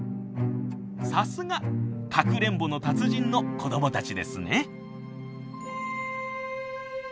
さすが「かくれんぼの達人」の子どもたちですね。